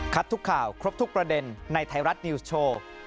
ทุกข่าวครบทุกประเด็นในไทยรัฐนิวส์โชว์